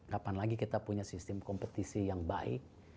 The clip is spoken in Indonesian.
kapan lagi kita punya sistem kompetisi yang baik